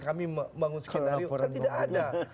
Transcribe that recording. kami membangun skenario kan tidak ada